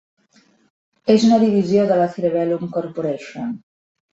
És una divisió de la Cerebellum Corporation.